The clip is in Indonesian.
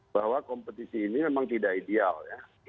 bahwa kompetisi ini memang tidak ideal ya